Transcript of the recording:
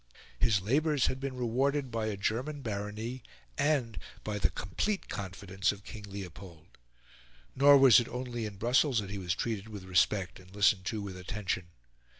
His labours had been rewarded by a German barony and by the complete confidence of King Leopold. Nor was it only in Brussels that he was treated with respect and listened to with attention.